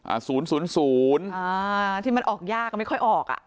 อ่าที่มันออกยากไม่ค่อยออกอะ